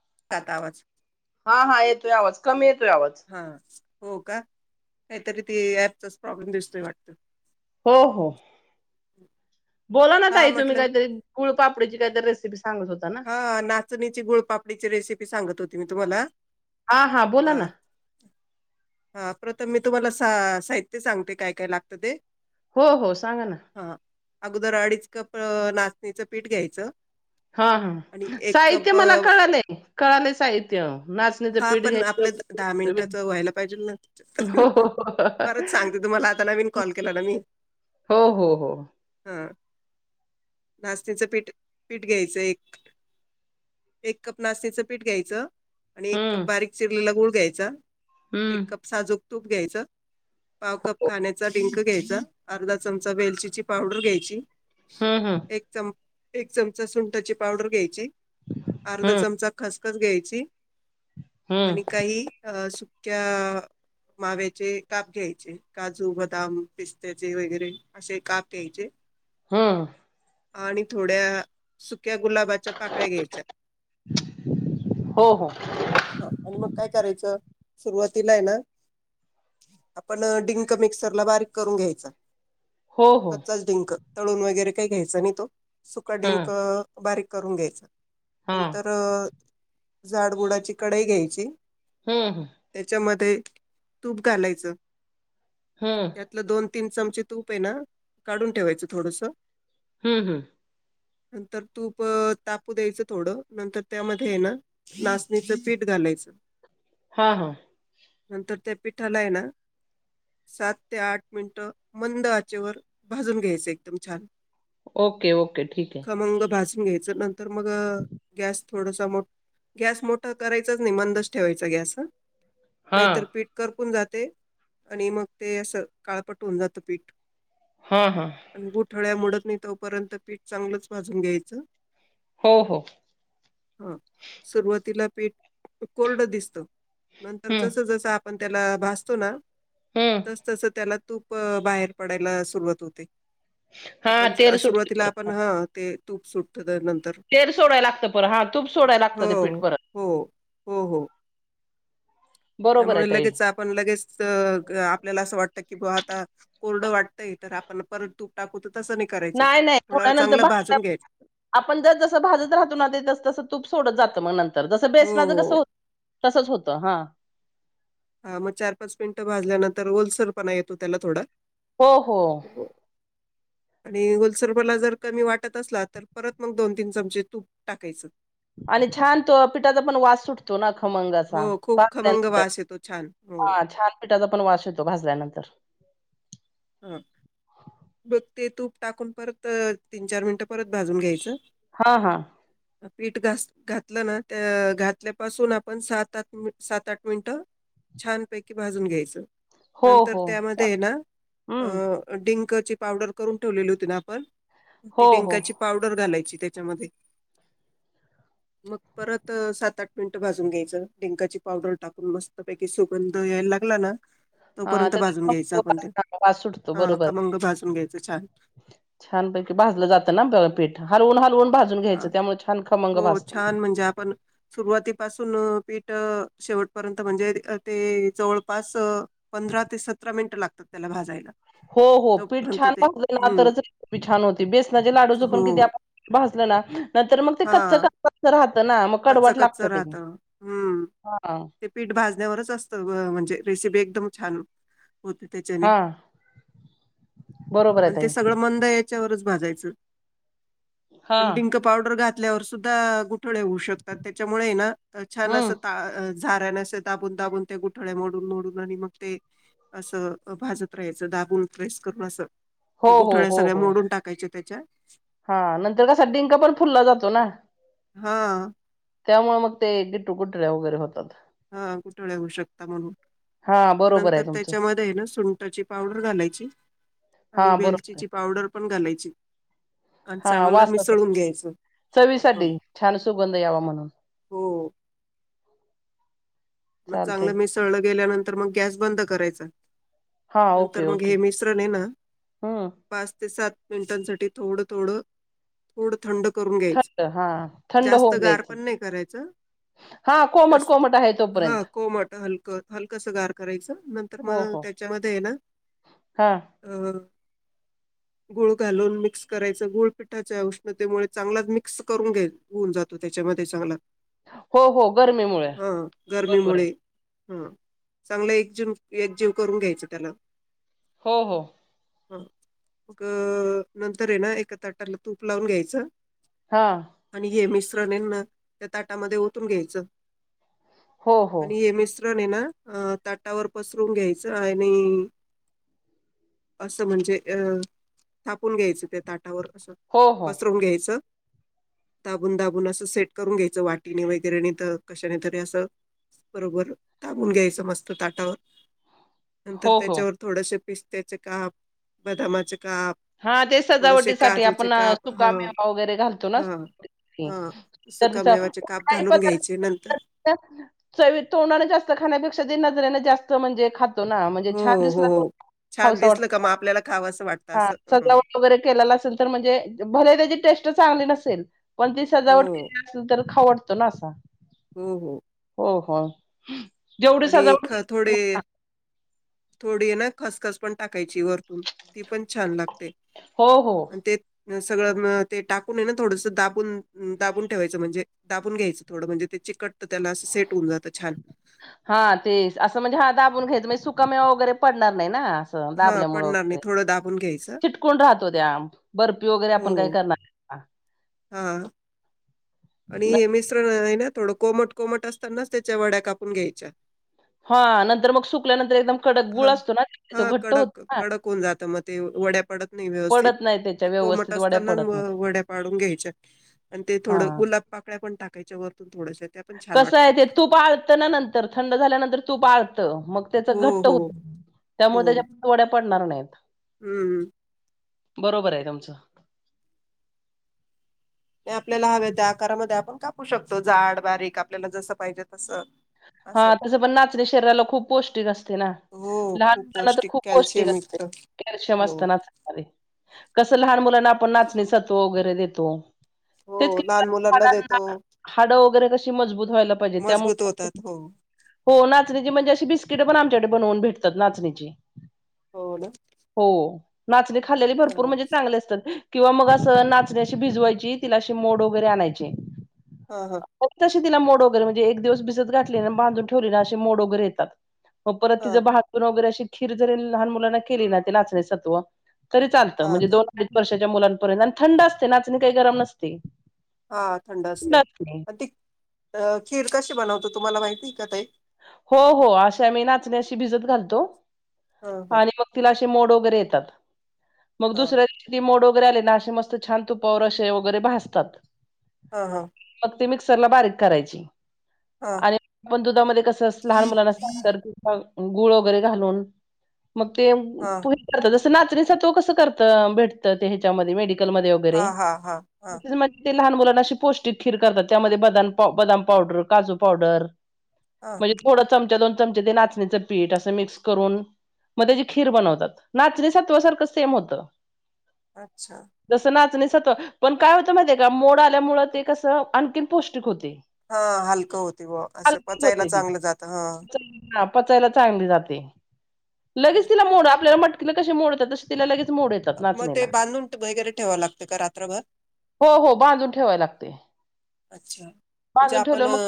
[unintelligible] हा हा येतो आवाज कमी येत हा हो का काहीतरी त ऍपचा प्रॉब्लेम दिसतोय वाटत हो हो बोला ना हा ताई तुम्ही म्हटलं काहीतरी गुळपापडीची काहीरी रेसिपी सांगत होत हा नाचणीची गुळपापडीची रे रेसिपी सांगत होती मी तुम्हाला हा बोला हा ना हा प्रथम तुम्हाला सा -साहित्य सांगते काय काय लागतं ते. हो हो सांगा ना हा, अगोदर अडीच कप- अ नाचणीचं पीठ घ्यायचं. हा आणि हा एक साहित्य कप मला अ, कळालेय. कळाले साहित्य. नाचणी च हा पिठ पण घ्यायच आपलं दहा मिनिटाच व्हायला पाहिजे ना [inaudible] हो परत सांगते तुम्हाला आता नवीन कॉल केला ना मी हो हो हो. नाचणीच पीठ. पीठ घ्यायचं एक- एक कप नास्तेचं पीठ घ्यायचं. आणि एक कप हम्म बारीक चिरलेला गूळ. घ्यायचा. एक हम्म कप साजुक - तूप घ्यायचं, पाव कप खाण्याचा डिंक घ्यायचा, अर्धा चमचा वेलचीची पावडर घ्यायची. हम हम एक चम एक चमचा सुंटाची- पावडर घ्यायची. अर्धा हम्म चमचा खस खस घ्यायची- हम्म आणि काही अ सु क्या माव्याचे काप घ्यायचे, काजू, बदाम, पिस्त्याचे वगैरे असे काप घ्यायचे. हूं. आणि थोड्या सु क्या गुलाबाच्या पाकळ्या घ्यायच्या हो हो आणि मग काय करायचं? सुरुवातीला आहे ना, आपण डिंक मिक्सर ला बारीक करून घ्यायचा. हो हो कच्चाच डिंक. तळून वगैरे काही घ्यायचा नाही तो. सुका हा डिंक- बारीक करून घ्यायचं. हा नंतर अ - जाड बुडाची कढाई घ्यायची. हम् हम. ते तूप घालायचं. हम्म त्यातलं दोन तीन चमचे तूप आहे ना, काढून ठेवायचं, थोडस. हम्म हम्म. नंतर- तूप अ तापू द्यायचं थोडं नंतर त्यामध्ये आहे ना, नाचणीच पीठ घालायचं. हा हा. नंतर त्या पिठाला आहे ना सात ते आठ मिनिटं मंद आचेवर भाजून घ्यायचं एकदम छान ओके ओके ठीक आहे खमंग भाजून घ्यायच नंतर मग गॅस थोडसा मोठ गॅस मोठं करायचाच नाही मंदच ठेवायचा गॅस ह हा नाहीतर पीठ करपून जात आणि मग ते अस काळपट होून जातं पीठ हा हा ळ्या मोडत नाही तोपर्यंत पीठ चांगलंच भाजून घ्यायचं च हो हो हा सुरुवातीला पीठ कोरड दिसत नंतर हम्म जस जस पण त्याला भासतो ना हम्म तस तस त्याला तूप बाहेर पडायला सुरुवात होते हा आपण तेल सुटते सुरुवातीला परत आपण ह ते तूप सुटत तेल सोडाय लागतं पर हा तूप सोडाय लागत हो, ते पीठ परत हो, हो हो बरोबर आहे त्यामुळे ताई लगेच आपण लगेच आपल्याला असं वाटत कि बा आता कोरडं वाटतंय तर आपण परत तूप टाकूत नाही नाही ोड्यानंतर घ्यायचं आपण जर जस भाजत राहत तस तस तूप सोडत जात मग नंतर जस हो. बेसनाचा कसं हो. होत तसंच होतं हा हा मग चार पाच मिनटं भाजल्यानंतर ओलसर पणा येतो त्याला थोडा हो हो आणि ओलसर पणा जर कमी वाटत असला तर परत मग दोन तीन चमचे तूप टाकायचं. आणि छान तो पिठाचा पण वास सुटतो ना खमंग असा हो खूप खमंग भाजल्यानंतर वास येतो छान हो. हा छान पीठाचा पण वास येतो भाजल्यानंतर हा मगं ते तूप टाकून परत तीन चार मिनटं परत भाजून घ्यायचं. हा, हा पिट घास घातलं ना त्या घातल्यापासून आपण सात आठ मी सात आठ मिनटं छानपैकी भाजून घ्यायचं. नंतर त्यामध्ये ना अ हम् डिंकची पावडर करून ठेवलेली होती ना आपण ती हो हो डिंकाची पावडर घालायची. तेच्यामध्ये मग परत सात आठ मिनट भाजून घ्यायचं डिंकाची पावडर टाकून मस्त पैकी सुगंध यायला लागला ना हा तोपर्यंत त्याचा भाजून घ्यायचं खमंग आपण वास ते हां, वास सुटतो हा बरोबर खमंग भाजून घ्यायचं छान छानपैकी भाजलं जात ना ब पीठ हालवून हालवून हा हो छान म्हणजे आपण सुरुवातीपासून पीठ शेवटपर्यंत म्हणजे ते जवळपास पंधरा ते सतरा मिनिट लागतात त्याला भाजायला. हो हो पीठ तोपर्यंत छान ते भाजल ना तर हम्म च रेसिपी छान होते बेसनाचे लाडूच हो पण किती आपण भाज लना नंतर मग ते कच्च हा कच राहत ना मग कच्च कडवट कच्च लागत ते राहत हा भाजन्यावरच असतं म्हणजे रेसिपी एकदम छान होते तेच्याने हा बरोबर आहे आणि ताई ते सगळं मंद आ चे वरच भाजायच. हा आणि डिंक पावडर घात ल्यावर सुद्धा गुठ ळ्या होऊ शकतात तेच्यामुळे ना छान हम्म आसं झाऱ्यान अस दाबून दाबून त्या गोठळ्या मोडून मोडून आणि मग ते असं भाजत राहायचं दाबून प्रेस करून असं हो ते हो गुठळ्या हो सगळ्या हो मोडून टाकायचे तेच्या हा नंतर कसा डिंक पण फुला जातो ना हा त्यामुळे मग ते गिटू गुठळ्या वगैरे होतात. हा घुटळया होऊ शकता म्हणून हा मग बरोबर आहे नंतर तुमचं तेच्यामध्ये ना सुंटाची पावडर घालायची आणि हा बरोबर आहे वेलचीची पावडर पण घालायची. आणि हा चांगलं वासा त मिसळून घ्यायचं ह चवीसाठी छान सुगंध यावा म्हणून. म चालते चांगलं मिसळलं गेल्यानं तर मग गॅस बंद करायचा. हां, नंतर ओके, मग ओके. हे मिश्रण हे ना हं. पाच ते सात मिनटांसाठी थोडं थोडं थोड थंड हा थंड होऊ गार द्यायचं पण नाही करायचं हा कोमट जास्त कोमट आहे त हा कोमट हलकं हलकंसं गार करायचं नंतर म हो, हो. त्याच्यामध्ये हे ना हां. अ गुळ घालून मिक्स करायच गुळपिठाच्या उष्णतेमुळे चांगलाच मिक्स करून घ्याय होऊन जातो त्याच्यामध्ये चांगला. हो हो गर्मीमुळं. गर्मीमुळे. हा चांगलं एकजीम एकजीव करून घ्यायच त्याला. हो हो. ह मग अ नंतर हे ना एका ताटाला तूप लावून घ्यायचं हां. आणि हे मिस श्रण हैंन त्या ताटामध्ये ओतून घ्यायचं. हो, हो. आणि हे मिस श्रण हे ना अ ताटावर पसरून घ्यायचं आणि असं म्हणजे अ थापून घ्यायचं त्यात ताटावर असं हो, हो. पसरवून घ्यायचं दाबून दाबून अस सेट करून घ्यायचं वाटीने वगैरे नाहीत कशाने तरी असं बरोबर ताबून घ्यायचं मस्त ताटावर नंतर हो, हो. त्याच्यावर थोडसे पिस्त्याचे काप बदामाचे काप हा ते थोडेसे सजावटीसाठी काजूचे आपण आ काप हा सुका मेवा वगैरे घालतो ना हा हा सुकामेवाचे काप घालून घ्यायचे नंतर [unintelligible] चवी तोंडाने जास्त खाण्यापेक्षा जे नजरेने जास्त म्हणजे खा हो हो, छान वाटतो. दिसल का म आपल्याला खावंस वाटतं हा असं. हं. सजावट वगैरे केलेला असेल तर म्हणजे भले त्याची टेस्ट चांगली नसेल पण ती सजावट हो केली असेल तर खावट तो नासा हो हो. हो [unintelligible] आडी सजावट ख थोडे केली- थोडी ए ना खसखस पण टाक कैची वरतून ती पण छान लागते हो हो अन् ते सगळं ते टाकून ना थोडस दाबून दाबून ठेवायचं म्हणजे दाबून घ्यायचं थोडं म्हणजे चिकट त्याला सेट होऊन जातं छान हा तेच असं म्हणजे हा दाबून घ्यायचं म्हणजे सुका मेवा वगैरे पडणार नाही ना हा दाबल्यामुळे पडणार नाही वगैरे थोडं दाबून घ्यायचं चिटकून राहतो त्या बर्फी वगैरे हो आपण काय करणार ह हा आणि न- हे मिश्रण आहे ना थोडं कोमट कोमट असतानाच त्याच्या वड्या कापून घ्यायच्या हा नंतर मग सुकल्यानंतर एकदम कडक हा गुळ असतो ना तो हा घट्ट होतो कडक ना कडक होऊन जात मग ते वड्या पाडत नाही व्यवस्थित पडत नाही त्याच्या ते कोमट व्यवस्थित वड्या असताना पडत नाहीत वड्या पाडून घ्यायच्या आणि ते हा थोडं गुलाब पाकळ्या पण टाकायच्या वर कसं आहे ते, तूप आळतं ना नंतर थंड झाल्यानंतर तूप आळत- मग त्याच हो घट्ट हो होत, त्यामुळे हो त्याच्या वड्या पडणार नाही. [inaudible] हम्म. बरोबर आहे तुमचं. आपल्याला हवे त्या आकारामध्ये आपण कापून- शकतो, जाड बारीक आपल्याला जसं पाहिजे तसं- हा असं तसं पण नाचणे शरीराला खूप पौष्टिक असते ना, हो लहान खूप मुलांना तर पौष्टिक खूप पौष्टिक कॅल्शियम असते, युक्त कॅल्शियम हो. असतं नाचण्या मध्ये. कसं लहान मुलांना आपण नाचणी सातू वगैरे देतो, तेच हो लहान मुलांना देतो हाडं वगैरे कशी- मजबूत- व्हायला पाहिजे मजबूत त्यामुळे होतात हो. हो नाचणीची म्हणजे- बिस्किट पण आमच्याकडे बनवून भेटतात, नाचणीची. हो ना. हो नाचणी- खाल्लेली हा भरपूर म्हणजे चांगले असतात- किंवा मग असं नाचनी आशी भिजवायची, तिला अशी मोड वगैरे आणायचे- हा, हा, तिला मोड वैरे म्हणजे एक दिवस तिला भिजत घातली बांधून ठेवले ना, असे मोड वैगरे येतात. मग परत ति हा भहातून वगैरे [unintelligible] खीर जरी लहान मुलांना केली ना ते नाचण्यासत्व- तरी चालत हा म्हणजे का दोन अडीच वर्षाच्या- मुलांपर्यंत आणि थंड असते नाचणी काही गरम नसते. हा थंड असते. ती खीर कशी बनवतो, तुम्हाला माहिती- का? हो हो अशा मी नाचण्याशी भिजत घालतो, हं हं आणि मग तिला- मोड वगैरे येतात. मग हं दुसऱ्या दिवशी मोड- वगैरेले नाे मस्त छान तुपे वगैरे भासतात. हा हा. मिक्सर ला बारीक करायची. हं आणि दुधामध्ये, लहान हं मुलांना. गुळ वगैरे घालून. मग ते हा तू हे करत. तुला अर्थी सव्या कसं करत भेटतं मेडिकाल. वर. हा हा हा लहान मुलांना अशी पौष्टिक खीर करतात त्यामध्ये बदाम पावडर काजू पावडर. हा म्हणज थो चमचा दो. चचे ते नाचणीचं पीठ असं मिक्स करून मग त्याची खीर बनवतात नाचणी सत्वासारखं सेम होत. अच्छा. पण काय होतं माहि का मोड आल्यामुळे ते कसं आणखी पौष्टिक होते. हा हलकं होती व असं हलकी पचायला होते चांग. ती चांगलं जात हा. हा पचायला चांगली जाते. लगेच तिला मोड आपल्याला म्हट. तिला कशी मोडतात तिला लगे. मोड येतात मग ते नाचण्याला. बांधून ट- वगैरे ठेवावं लागतं का रात्रभर? हो हो बांधून ठेवाय लागते अच्छा बांधून ठेवलं मग.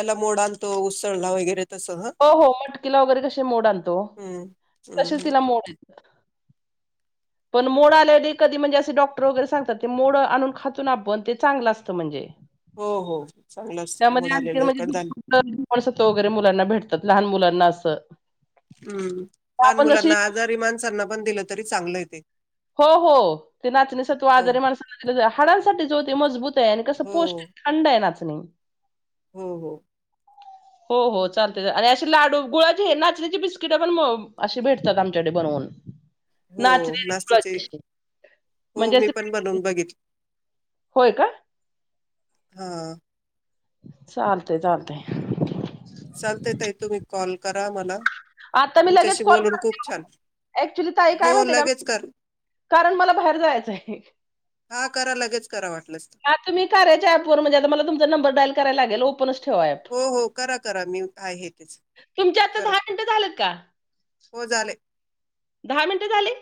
एला मोडा तो उसळला वगैरे. तसं हं हो हो मटकीला वगैरे कसे मोड आणतो हम्म हम्म तसेच हम्म तिला मोड येत. पण मोड आल्या कधी म्हणजे असे डॉक्टर वगैरे सांगतात ते मोड आणून खातून आपण ते चांगलं असतं म्हणजे. हो हो चांगलं असतं त्यामध्ये मोड आणखी आलेलं कडधान्य म्हणजे वगैरे मुलांना भेटत. लहान मुलांना अस. हम्म लहान मुलांना आजारी माणसांना पण दिलं तरी चांगलं. ते हो हो ते नाचणीचा तू हो आजारी माणसा हाडांसाठी जो. ते मज बुत आणि कसं हो पोष्ट थंड आहे ना आज स् नाही [inaudible] हो हो हो हो चालते आणि असे लाडू गुळाचे नाचण्याची बिस्किट पण अशी भेटतात आमच्याकडे बनवून हो नाचण्याची नास्तिक गुळाची अशी हो म्हणजे मी असे पण बनवून बघितली होय का हा चालते चालते चालतंय ताई तुम्ही कॉल करा मला आता मी लगेच तुमच्याशी कॉल बोलून खूप छान करते ऍक्च्युली ताई काय हो माहिती का लगेच कर कारण मला बाहेर जायचं आहे हा करा लागेच आ तुम्ही करा्याच्या अँप वरून म्हणजे आता मला तुमचा नंबर डाईल कराला लागेल [inaudible] हो हो करा करा मी आहे तेच तुमच्या आता करा दहा मिनिट झाल का हो झाले दहा मिनट झाली